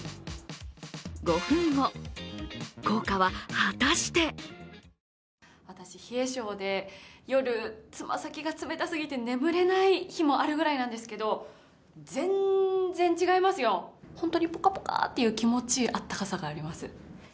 ５分後、効果は果たして私、冷え性で、夜、爪先が冷たすぎて眠れない日もあるぐらいなんですけど、全然違いますよ、本当にポカポカという気持ちいい暖かさがあります。